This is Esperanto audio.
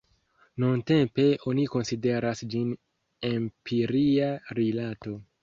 Nuntempe oni konsideras ĝin empiria rilato.